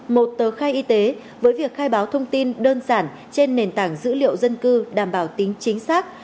một tờ khai y tế với việc khai báo thông tin đơn giản trên nền tảng dữ liệu dân cư đảm bảo tính chính xác